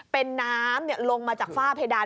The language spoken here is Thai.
เป็นน้ำลงมาจากฝ้าเพดาน